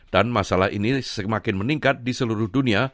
dan masalah ini semakin meningkat di seluruh dunia